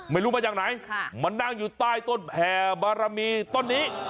ไม่รู้มาจากไหนมานั่งอยู่ใต้ต้นแผ่บารมีต้นนี้